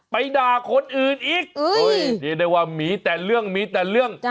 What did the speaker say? ไปด่าคนอื่นอีกเรียกได้ว่ามีแต่เรื่องมีแต่เรื่อง